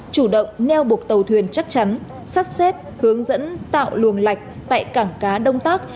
chủ động neo buộc tàu thuyền chắc chắn sắp xếp hướng dẫn tạo luồng lạch tại cảng cá đông tác